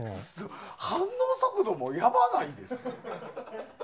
反応速度もやばないですか？